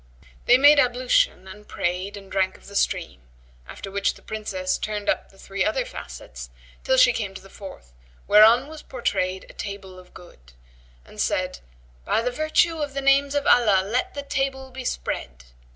They made the ablution and prayed and drank of the stream; after which the Princess turned up the three other facets till she came to the fourth, whereon was portrayed a table of good, and said, "By the virtue of the names of Allah, let the table be spread!"